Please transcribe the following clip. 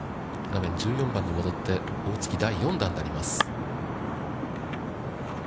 画面１４番に戻って、大槻、第４打になります。